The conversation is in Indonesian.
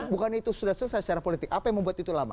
bukan itu sudah selesai secara politik apa yang membuat itu lama